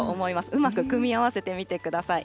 うまく組み合わせてみてください。